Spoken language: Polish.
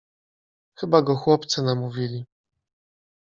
Chyba go chłopcy namówili.